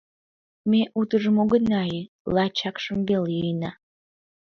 Ме утыжым огына йӱ, лачакшым веле йӱына.